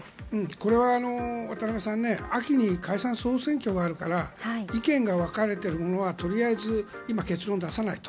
これは渡辺さん秋に解散・総選挙があるから意見が分かれているのはとりあえず今、結論を出さないと。